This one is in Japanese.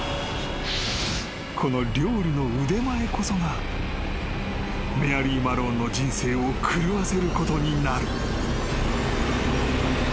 ［この料理の腕前こそがメアリー・マローンの人生を狂わせることになる］